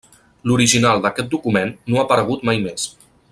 L'original d'aquest document no ha aparegut mai més.